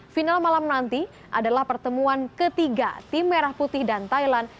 final malam nanti adalah pertemuan ketiga tim merah putih dan thailand